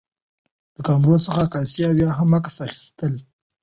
د کامرو څخه عکاسي او یا هم عکس اخیستل